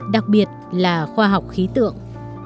đặc biệt là khoa học khí tượng